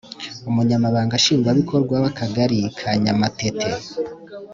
umunyamabanga nshingwabikorwa w’akagari ka nyamatete